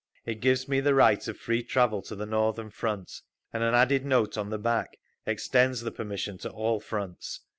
It gives me the right of free travel to the Northern front—and an added note on the back extends the permission to all fronts.